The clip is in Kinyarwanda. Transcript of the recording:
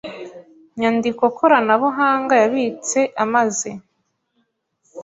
nyandiko koranabuhanga yabitse amaze